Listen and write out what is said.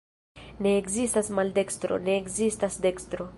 Ne ekzistas maldekstro, ne ekzistas dekstro.